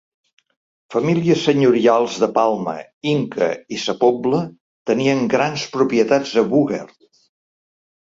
Famílies senyorials de Palma, Inca, i Sa Pobla tenien grans propietats a Búger.